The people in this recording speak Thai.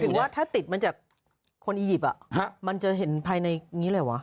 หรือว่าถ้าติดมาจากคนอียิปต์มันจะเห็นภายในนี้เลยวะ